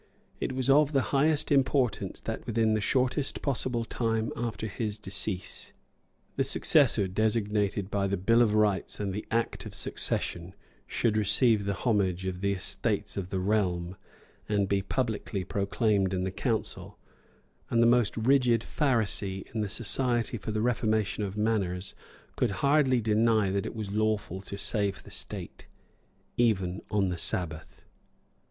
It was of the highest importance that, within the shortest possible time after his decease, the successor designated by the Bill of Rights and the Act of Succession should receive the homage of the Estates of the Realm, and be publicly proclaimed in the Council: and the most rigid Pharisee in the Society for the Reformation of Manners could hardly deny that it was lawful to save the state, even on the Sabbath.